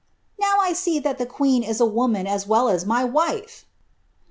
"Now I see ihal the queen is a woman as well as my wife!"'